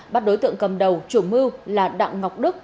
bắt đối tượng cầm đầu chủ mưu là đặng ngọc đức